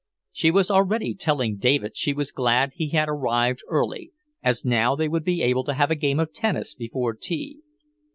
She was already telling David she was glad he had arrived early, as now they would be able to have a game of tennis before tea.